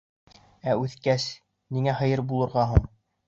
— Ә үҫкәс ниңә һыйыр булырға һуң?